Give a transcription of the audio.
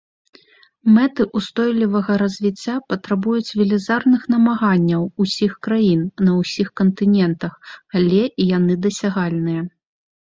Мэты ўстойлівага развіцця патрабуюць велізарных намаганняў усіх краін на ўсіх кантынентах, але яны дасягальныя.